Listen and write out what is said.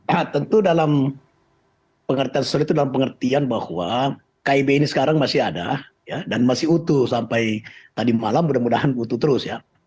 ya tentu dalam pengertian serius itu dalam pengertian bahwa kib ini sekarang masih ada dan masih utuh sampai tadi malam mudah mudahan utuh terus ya